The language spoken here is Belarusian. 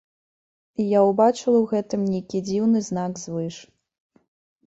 І я ўбачыла ў гэтым нейкі дзіўны знак звыш.